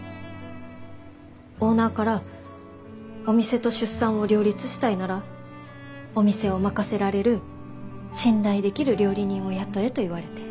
オーナーからお店と出産を両立したいならお店を任せられる信頼できる料理人を雇えと言われて。